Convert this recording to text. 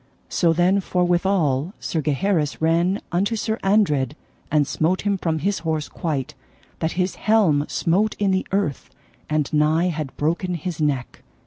So then forthwithal Sir Gaheris ran unto Sir Andred and smote him from his horse quite, that his helm smote in the earth, and nigh had broken his neck.